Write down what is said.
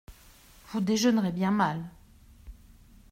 Vous déjeunerez bien mal.